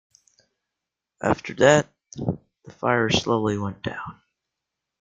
After that the fire slowly went down.